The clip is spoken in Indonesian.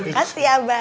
kasih ya abah